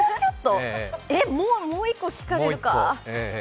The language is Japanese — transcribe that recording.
えっ、もう１個聞かれるか。